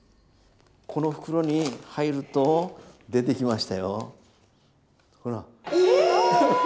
この袋に入ると出てきましたよ。